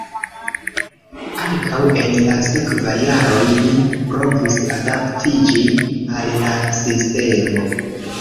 Ankaŭ en la sekvaj jaroj li provis adaptiĝi al la sistemo.